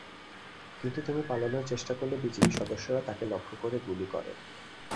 কিন্তু তিনি পালানোর চেষ্টা করলে বিজিবি সদস্যরা তাঁকে লক্ষ্য করে গুলি করেন।